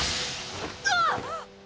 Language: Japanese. うわぁっ！